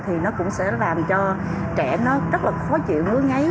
thì nó cũng sẽ làm cho trẻ nó rất là khó chịu nguối ngáy